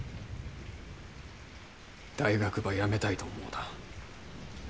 大学ばやめたいと思うた。